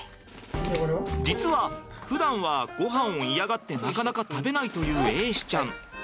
実はふだんはごはんを嫌がってなかなか食べないという瑛志ちゃん。